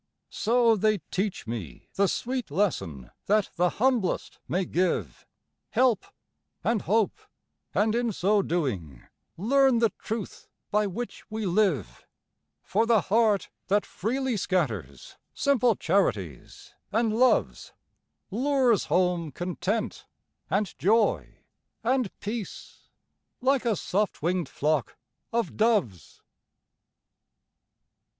So, they teach me the sweet lesson, That the humblest may give Help and hope, and in so doing, Learn the truth by which we live; For the heart that freely scatters Simple charities and loves, Lures home content, and joy, and peace, Like a soft winged flock of doves.